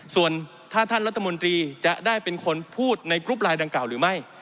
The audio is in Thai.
ส่วนถ้าท่านรัฐมนตรีจะได้เป็นคนพูดในกรุ๊ปไลน์ดังกล่าวหรือไม่